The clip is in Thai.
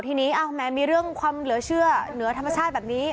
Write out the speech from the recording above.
ทีนี้แม้มีเรื่องความเหลือเชื่อเหนือธรรมชาติแบบนี้